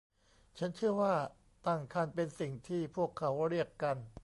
ฉันเชื่อว่าตั้งครรภ์เป็นสิ่งที่พวกเขาเรียกกัน